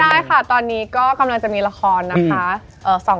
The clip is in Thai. ได้ค่ะตอนนี้ก็กำลังจะมีละครนะคะ